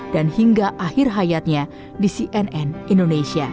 dan hingga akhir hayatnya di cnn indonesia